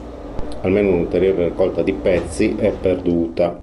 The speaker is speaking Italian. Almeno un'ulteriore raccolta di pezzi è perduta.